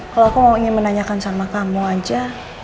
kalau aku mau ingin menanyakan sama kamu aja